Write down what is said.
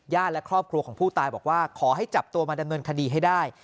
และครอบครัวของผู้ตายบอกว่าขอให้จับตัวมาดำเนินคดีให้ได้